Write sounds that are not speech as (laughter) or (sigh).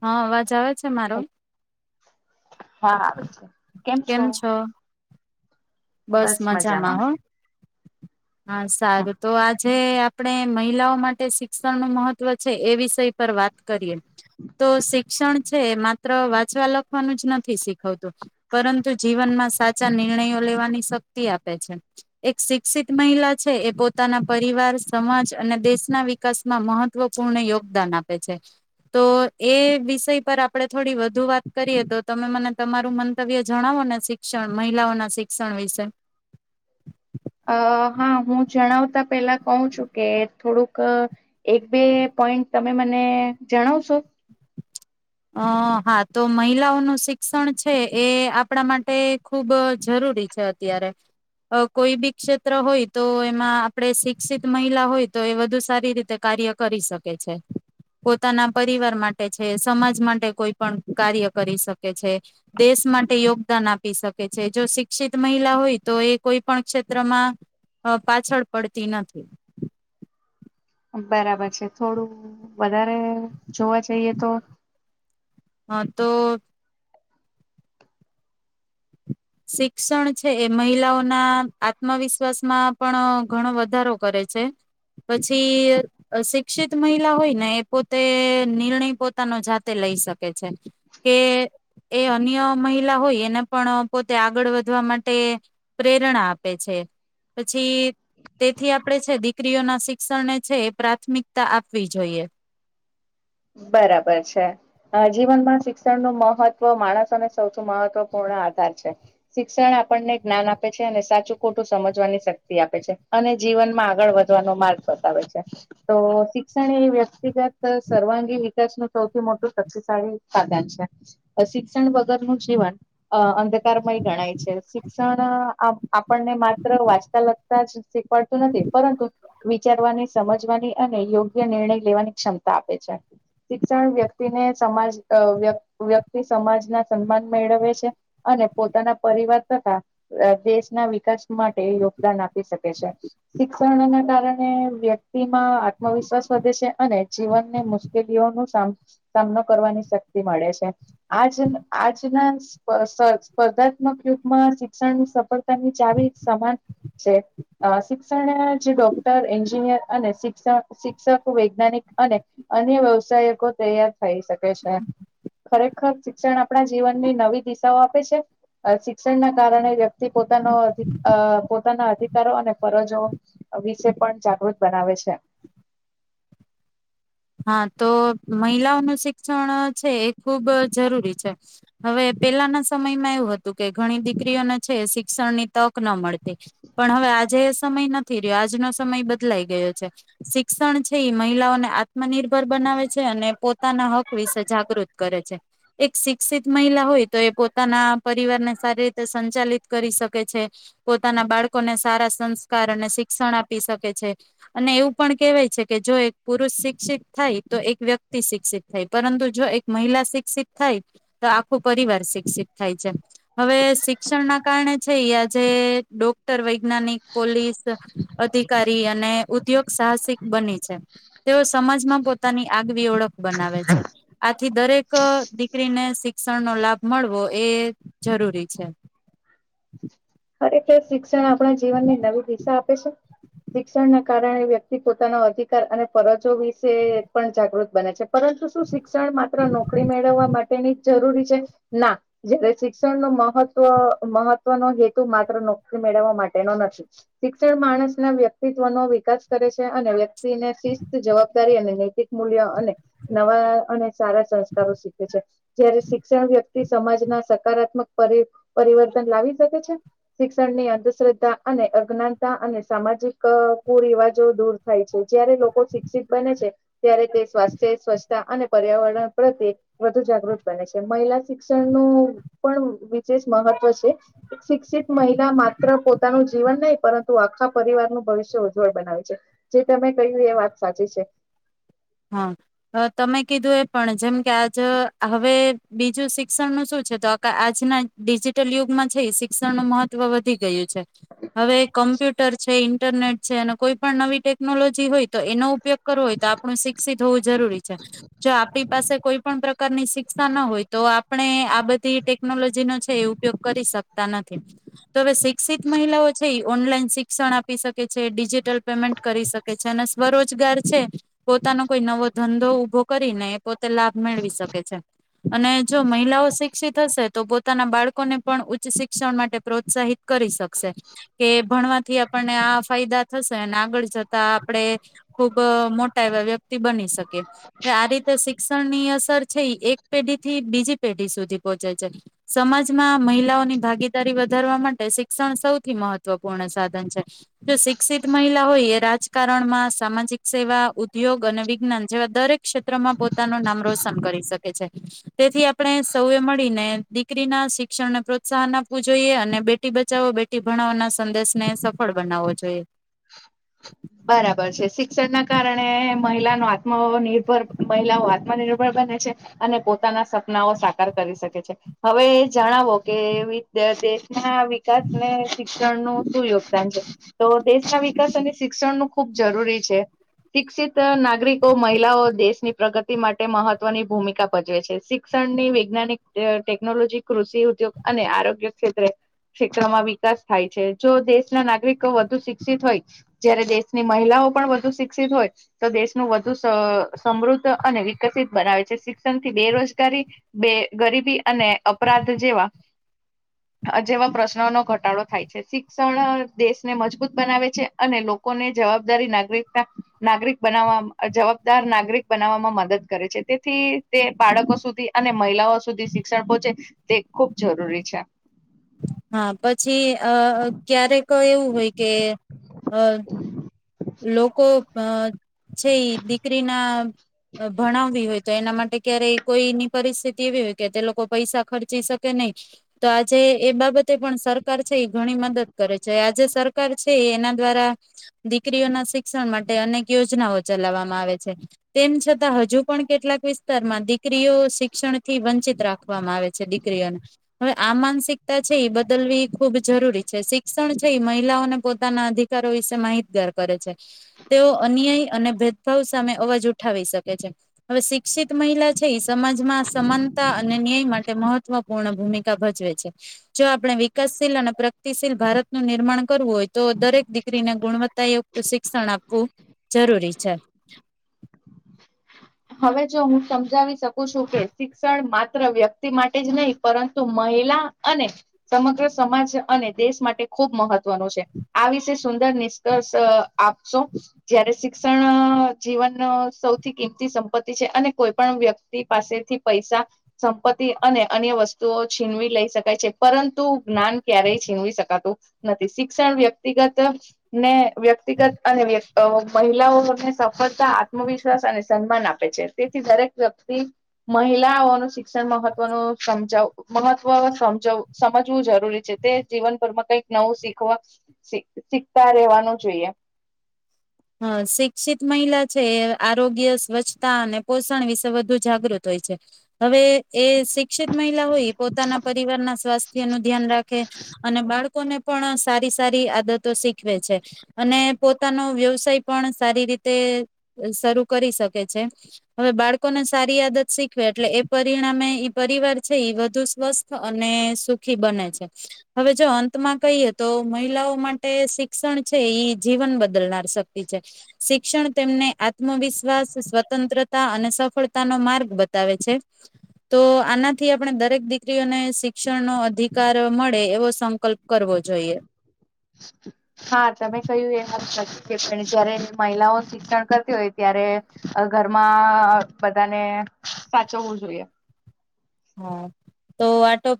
હા અવાજ આવે છે મારો? હા આવે છે. કેમ છો? બસ મજામાં હો. હા સારું તો આજ જે આપણે મહિલાઓ માટે શિક્ષણ નું મહત્વ છે. એ વિષય પર વાત કરીએ તો શિક્ષણ છે માત્ર વાંચવા લખવાનું જ નથી શીખવતું પરંતુ જીવનમાં સાચા નિર્ણયો લેવા.. શક્તિ આપે છે. એક શિક્ષિત મહિલા છે એ પોતાના પરિવાર સમાજ અને દેશના વિકાસમાં મહત્વપૂર્ણ યોગદાન આપે છે. તો એ વિષય પર આપણે થોડી વધુ વાત કરીએ તો તમે મને તમારું મંતવ્ય જણાવો ને શિક્ષણ મહિલાઓના શ... શિક્ષણ વિશે.. અ.. હા.. હું જણાવતા પેલા કહું છું કે થોડુંક એક- બે પોઈન્ટ તમે મને જણાવશો? અ.. હા.. તો મહિલાઓનું શિક્ષણ છે એ આપણા માટે ખુબ જરૂરી છે. અત્યારે કોઈ બી ક્ષેત્ર હોય તો એમાં આપણે શિક્ષિત મહિલા હોય તો એ વધુ સારી રીતે કાર્ય કરી શકે છે. પોતાના પરિવાર માટે છે... સમાજ માટે કોઈ પણ કાર્ય કરી શકે છે, દેશ માટે યોગદાન આપી શકે છે જો શિક્ષિત મહિલા હોય તો એ કોઈ પણ ક્ષેત્રમાં પાછળ પડતી નથી. બરાબર છે. થોડું વધારે જોવા જઈએ તો.. હા... તો.. શિક્ષણ છે એ મહિલાઓના આત્મવિશ્વાસમાં પણ ઘણો વધારો કરે છે પછી શિક્ષિત મહિલા હોય ને એ પોતે નિર્ણય પોતાનો જાતે લઈ શકે છે કે એ અન્ય મહિલા હોય એને પણ.. પોતે આગળ વધવા માટે પ્રેરણા આપે છે પછી તેથી આપણે છે દીકરીઓના શિક્ષણને છે એ પ્રાથમિકતા આપવી જોઈએ. બરાબર છે. જીવનમાં શિક્ષણ નું મહત્વ માણસોને સૌથી મહત્વપૂર્ણ આધાર છે. શિક્ષણ આપણને જ્ઞાન આપે છે અને સાચું ખોટું સમજવાની શક્તિ આપે છે અને જીવનમાં આગળ વધવાનો માર્ગ બતાવે છે. તો શિક્ષણ એ વ્યક્તિગત સર્વાંગી.. વિકાસનું સૌથી મોટું શક્તિશાળી સાધન છે. શિક્ષણ વગર નું જીવન અંધકારમય ગણાય છે. શિક્ષણ આ.. આપણને માત્ર વાચતા લખ... સાચે.. શીખવાડતું નથી પરંતુ વિચારવાને... સમજવાની અને યોગ્ય નિર્ણય લેવાની ક્ષમતા આપે છે. શિક્ષણ વ્યક્તિને સમાજ વ્યક્તિ સમાજના સન્માન મેળવે છે અને પોતાના પરિવાર તથા દેશના વિકાસ માટે યોગદાન આપી શકે છે. શિક્ષણના કારણે વ્યક્તિ. ‌... વ્યક્તિ‌માં આત્મવિશ્વાસ વધે છે અને.. જીવનને મુશ મુ ન સા સામનો કરવાની શક્તિ મળે છે આજ આજના સ્પર્ધાત્મક યુગમાં શિક્ષણની સફળતાની ચાવી સમાન છે શિક્ષણ જે ડોક્ટર એન્જિનિયર અને શિક્ષ શિક્ષક વૈજ્ઞાનિક અને અન્ય વ્યવસાયકો તૈયાર થઈ શકે છે ખરેખર શિક્ષણ આપણા જીવનની નવી દિશાઓ આપે છે શિક્ષણના કારણે વ્યક્તિ પોતાનો અધિક પોતાના અધિકારો અને ફરજો વિશે પણ જાગૃત બનાવે છે હા તો મહિલાઓનું શિક્ષણ છે એ ખૂબ જરૂરી છે હવે પેલાના સમયમાં એવું હતું કે ઘણી દીકરીઓને છે શિક્ષણની તક ન મળતી પણ હવે આજે એ સમય નથી રહ્યો આજનો સમય બદલાઈ ગયો છે શિક્ષણ છે એ મહિલાઓને આત્મનિર્ભર બનાવે છે અને પોતાના હક વિશે જાગૃત કરે છે એક શિક્ષિત મહિલા હોય તો એ પોતાના પરિવારને સારી રીતે સંચાલિત કરી શકે છે પોતાના બાળકોને સારા સં કારણે શિક્ષણ આપી શકે છે અને એવું પણ કેહેવાય છે કે જો એક પુરુષ શીખ શિક્ષિત થાય તો એક વ્યક્તિ શિક્ષિત થાય પરંતુ જો એક મહિલા શિક્ષિત થાય તો આખું પરિવાર શિક્ષિત થાય છે હવે શિક્ષણ ના કારણે છે આજે ડોક્ટર વૈજ્ઞાનિક પોલીસ અડી અને ઉદ્યોગ સાહસિક બની છે તેઓ પોતાની આગવી ઓળખ બનાવે છે આથી દરેક દીકરીને શિક્ષણનો લાભ મળવો એ જરૂરી છે (inaudible) અરે કે શ શિક્ષણ આપણા જીવન ને નવું કિસ્સા આપે છે શિક્ષણ ના કારણે વ્યક્તિ પોતાના અધિકાર અને ફરજો વિશે પણ જાગૃત બને છે પરંતુ શું શિક્ષણ માત્ર નોકરી મેળવવા માટેની જરૂરી છે ના જ શિક્ષણ ન મહત્વ મહત્વનો હે મેળવવા માટેનો નથી શિક્ષણ માણસ ના વ્યક્તિત્વનોો વિકાસ કરે છે અને વ્યક્તિને શિસ્ત જવાબદારી અને નૈતિક મૂલ્ય અને નવા અને સારા સંસ્કારો શીખે છે જયારે શિક્ષણ વ્યક્તિ સમાજના સકારાત્મક પર પરિવર્તન લાવી શકે છે શિક્ષણ ની અંધશ્રદ્ધા અને અજ્ઞાનતા અને સામાજિક કુરિવાજો દૂર થાય છે જયારે લોકો શિક્ષિત બને છે ત્યારે તે સ્વાસ્થ્ય સ્વચ્છતા અને પર્યાવરણ પ્રત્યે વધુ જાગૃત બને છે મહિલા શિક્ષણનુંું પણ વિશેષ મહત્વ છે શિક્ષિત મહિલા માત્ર પોતાનું જીવન નહી પરંતુ આખા પરિવારનુંું ભવિષ્ય ઉજ્જવળ બનાવે છે જે તમે કહ્યું એ વાત સાચી છે હા તમે કીધું એ પણ જેમ કે આજ હવે બીજું શિક્ષણનું શું છે તો આજના ડિજિટલ યુગમાં છે શિક્ષણનું મહત્વ વધી ગયું છે હવે કોમ્પ્યુટર છે ઇન્ટરનેટ છે અને કોઈ પણ નવી ટેકનોલોજી હોય તો એનો ઉપયોગ કરવો હોય તો આપું શિક્ષિત હોવું જરૂરી છે જો આપણી પાસે કોઈ પણ પ્રકારની શિક્ષા ના હોય તો આપણે આ બધી ટેકનોલોજીનોો છે એ ઉપયોગ કરી શકતા નથી તો હવે શિક્ષિત મહિલાઓ છે એ ઓનલાઈન શિક્ષણ આપી શકે છે ડિજિટલ પેમેન્ટ કરી શકે છે અને સ્વરોજગાર છે પોનો કોઈ નવો ધંધો ઉઊભો કરીને પોતે લાભ મેળવી શકે છે અને જો મહિલાઓ શિક્ષિત હશે તો પોતાના બાળકોને પણ ઉચ્ચ શિક્ષણ માટે પ્રોત્સાહિત કરી શકશે કે ભણવાથી આપણને આ ફાયદા થશે અને આગળ જતા આપણે ખૂબ મો વ્યક્તિ બની શકે આ રીતે શિક્ષણ ની અસર છે એ એક પેઢી થી બીજી પેઢી સુધી પહોંચે છે સમાજમાં મહિલાઓની ભાગીદારી વધારવા માટે શિક્ષણ સૌથી મહત્વપૂર્ણ સાધન છે જો શિક્ષિત મહિલા હોય એ રાજકારણમાં સામાજિક સેવા ઉદ્યોગ અને વિજ્ઞાન જેવા દરેક ક્ષેત્રમાં પોતાનું નામ રોશન કરી શકે છે તેથી આપણે સૌએ મળીને દીકરીના શિક્ષણને પ્રોત્સાહન આપવું જોઈએ અને બેટી બચાવો બેટી ભણાવોના સંદેશને સફળ બનાવવો જોઈએ બરાબર છે શિક્ષણ ના કારણે મહિલાનો આત્મનિર્ભર મહિલાઓ આત્મનિર્ભર બને છે અને પોતાના સપનાઓ સાકાર કરી શકે છે હવે જણાવો કે વિ ના વિકાસ ને શિક્ષણ નું શું યોગદાન છે તો દેશના વિકાસ અને શિક્ષણ નું ખૂબ જરૂરી છે શિક્ષિત નાગરિકો મહિલાઓ દેશની પ્રગતિ માટે મહત્વની ભૂમિકા ભજવે છે શિક્ષણની વૈજ્ઞાનિક ટેકનોલોજી કૃષિ ઉદ્યોગ અને આરોગ્ય ક્ષેત્રે ક્ષેત્રમાં વિકાસ થાય છે જો દેશના નાગરિકો વધુ શિક્ષિત હોય જયારે દેશની મહિલાઓ પણ વધુ શિક્ષિત હોય તો દેશનું વધુ સમૃદ્ધ અને વિકસિત બનાવે છે શિક્ષણથી બેરોજગારી બે ગરીબી અને અપરાધ જેવા જેવા પ્રશ્નોનોો ઘટાડો થાય છે શિક્ષણ દેશને મજબૂત બનાવે છે અને લોકોને જવાબદારી નાગરિકતા નાગરિક બનાવવામાં જવાબદાર નાગરિક બનાવવામાં મદદ કરે છે તેથી તે બાળકો સુધી અને મહિલાઓ સુધી શિક્ષણ પહોંચે તે ખૂબ જરૂરી છે હા પછી અ ક્યારે ક એવું હોય કે હ લોકોક અ છે એ દીકરી ના ભણાવવી હોય તો એના માટે ક્યારેય કોઈની પરિસ્થિતિ એવી હોય કે તે લોકો પૈસા ખર્ચી શકે નહી તો આજે એ બાબતે પણ સરકાર છે એ ઘણી મદદ કરે છે આજે સરકાર છે એના દ્વારા દકરીઓ ના શિક્ષણ માટે અનેક યોજનાઓ ચલાવવામાં આવે છે. તેમ છતાં હજુ પણ કેટલાક વિસ્તારમાં. ક્રઓ શિક્ષણ થી વંચિત. રાખવામાં આવે છે ડિગ્રીઓને હવે આ માનસિકતા છે એ બદલવી ખૂબ જરૂરી છે. શિક્ષણ છે એ મહિલાઓને પોતાના અધિકારો વિશે માહિતગાર. તેઓ અન્યાય અને ભેદભાવ સામે અવાજ ઉઠાવી શકે છે. હવે શિક્ષિત મહિલા છે એ સમાજમાં સમાનતા અને ન્યાય માટે મહત્વપૂર્ણ ભૂમિકા ભજવે છે. જો આપણે વિકાસશીલ અને પ્રગતિશીલ ભારતનુંું નિર્માણ કરવું હોય તો દરેક દીકરીને ગુણવત્તા. તો શિક્ષણ આપવું જરૂરી છે. હવે જો હું સમજાવી શક. છું કે શિક્ષણ માત્ર. વ્યક્તિ માટે જ નહીં પરંતુ મહિલા અને સમગ્ર સમાજ અને દેશ માટે ખૂબ મહત્વનું છે. આ વિષ સુંદર નિષ્કર્ષ આપશો. જયારે શિક્ષણ જીવન સૌથી કિં. સંપત્તિ છે. અને કોઈ પણ વ્યક્તિ પાસેથી પૈસા સંપત્તિ અને અન્ય વસ્તુઓ છીનવી લઈ શકાય છે. પરંતુ જ્ઞાન ક્યારેય છીનવી શકાતું નથી. શિક્ષણ વ્યક્તિગત ને વ્યક્તિગત અને વ્યક્. મહિલાઓને સફળતા આત્મવિશ્વાસ અને. સન્માન આપે છે. તેથી દરેક વ્યક્તિ મહિલાઓનું શિક્ષણ મહત્વનું સમજાવ મહત્વ સમ સમજવું જરૂરી છે. તે જીવનભરમાં કઈક નવું શીખવા શીખતા રહેેવાનું જોઈએ. હ શિક્ષિત મહિલા છે એ આરોગ્ય સ્વચ્છતા અને પોષણ વિશે વધુ જાગૃત હોય છે. હવે એ શિક્ષિત મહિલા હોય પોતાના પરિવારના સ્વાસ્થ્યનું. ધ્યાન રાખે અને બાળકો. ને પણ સારી સારી આદતો શીખવે છે. અને પોતાનો વ્યવ પણ સારી રીતે શરૂ કરી શકે છે. હવે બાળકોને સારી આદત શીખવે એટલે એ પરિણામે પરિવાર છે. વધુ સ્વસ્થ અને સુખી બને છે. હવે જો અંતમાં કહીએ તો મહિલાઓ માટે શિક્ષણ છે જીવન બદલનાર શિક્ષણ તેમને આત્મવિશ્વાસ સ્વતંત્ર. અને સફળતાનોો માર્ગ બતાવે છે. તો આનાથી આપણે દરેક દીકરીઓને શિક્ષણનોો અધિકાર મળે એવો સંકલ્પ કરવો જોઈએ. હા તમે કયું એ હ છે પણ જયારે મહિલાઓ શિક્ષણ કરતી હોય ત્યારે ઘરમાં બધાને સાચવવું જોઈએ. (unintelligible)